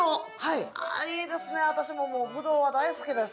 いいですね、私ももうぶどうは大好きです。